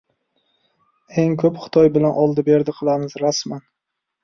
Eng ko‘p Xitoy bilan oldi-berdi qilamiz — rasman